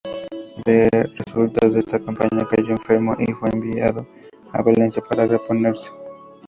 De resultas de esta campaña, cayó enfermo, y fue enviado a Valencia para reponerse.